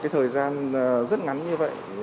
thời gian rất ngắn như vậy